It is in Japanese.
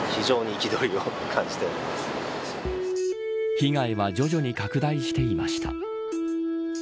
被害は徐々に拡大していました。